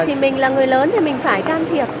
thì mình là người lớn thì mình phải can thiệp